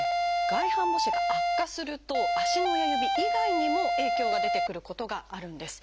外反母趾が悪化すると足の親指以外にも影響が出てくることがあるんです。